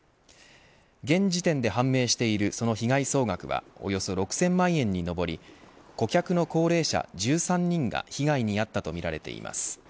現時点で判明しているその被害総額はおよそ６０００万円に上り顧客の高齢者１３人が被害に遭ったと見られています。